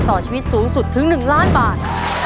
ต่อชีวิตสูงสุดถึง๑ล้านบาท